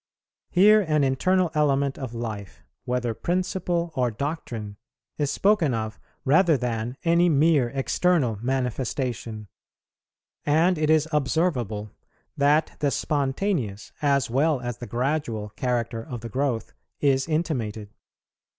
Here an internal element of life, whether principle or doctrine, is spoken of rather than any mere external manifestation; and it is observable that the spontaneous, as well as the gradual, character of the growth is intimated.